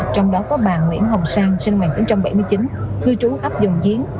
trong đó có bà nguyễn hồng sang sinh năm một nghìn chín trăm bảy mươi chín cư trú ấp dùng giếng